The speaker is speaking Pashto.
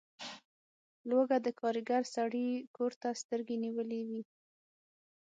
لوږه د کارګر سړي کور ته سترګې نیولي وي.